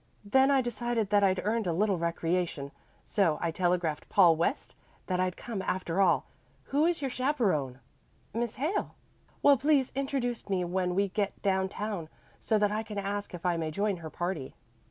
Then I decided that I'd earned a little recreation, so I telegraphed Paul West that I'd come after all. Who is your chaperon?" "Miss Hale." "Well please introduce me when we get down town, so that I can ask if I may join her party."